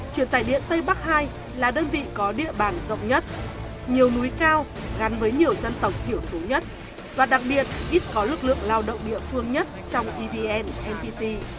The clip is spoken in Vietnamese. truyền tải điện tây bắc ii là đơn vị có địa bàn rộng nhất nhiều núi cao gắn với nhiều dân tộc thiểu số nhất và đặc biệt ít có lực lượng lao động địa phương nhất trong evn npt